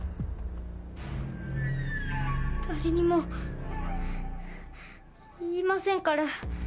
・誰にも言いませんから。